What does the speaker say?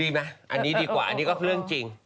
ไหมอันนี้ดีกว่าอันนี้ก็คือเรื่องจริง